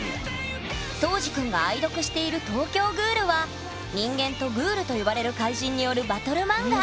そうじくんが愛読している「東京喰種」は人間と喰種と呼ばれる怪人によるバトル漫画！